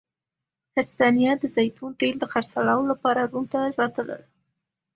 هسپانیا د زیتونو تېل د خرڅلاو لپاره روم ته راتلل.